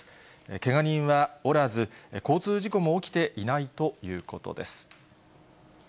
けが人はおらず、交通事故も起きていないということです。